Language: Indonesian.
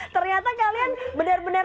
ternyata kalian benar benar